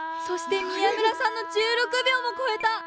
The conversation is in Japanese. そして宮村さんの１６秒もこえた。